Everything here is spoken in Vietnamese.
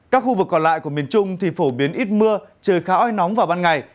các khu vực còn lại của miền trung thì phổ biến ít mưa trời khá oi nóng vào ban ngày